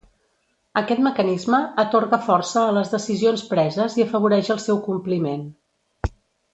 Aquest mecanisme atorga força a les decisions preses i afavoreix el seu compliment.